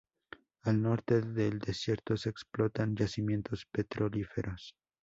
Al norte del desierto se explotan yacimientos petrolíferos.